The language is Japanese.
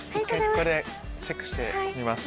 ここでチェックしてみます。